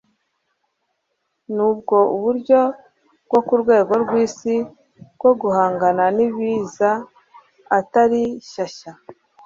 Nubwo uburyo bwo ku rwego rw'isi bwo guhangana n'ibiza atari shyashya,